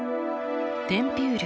テンピュール。